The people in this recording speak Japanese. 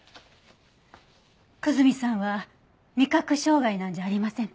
久住さんは味覚障害なんじゃありませんか？